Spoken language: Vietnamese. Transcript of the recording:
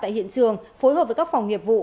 tại hiện trường phối hợp với các phòng nghiệp vụ